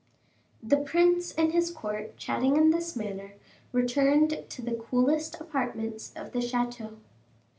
The prince and his court, chatting in this manner, returned to the coolest apartments of the chateau.